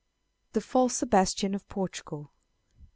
THE FALSE SEBASTIAN OF PORTUGAL.